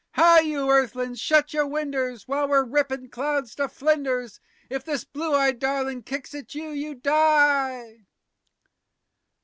_ Hi! you earthlin's, shut your winders While we're rippin' clouds to flinders. _If this blue eyed darlin' kicks at you, you die!